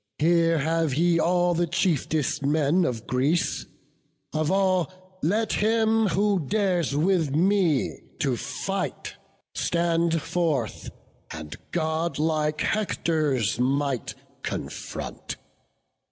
Here have ye all the chiefest men of Greece; Of all, let him who dares with me to fight, Stand forth, and godlike Hector's might confront.